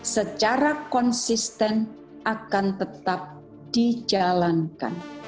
secara konsisten akan tetap dijalankan